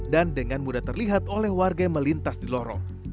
dan dengan mudah terlihat oleh warga yang melintas di lorong